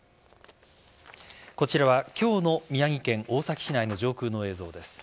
こちらは今日の宮城県大崎市内の上空の映像です。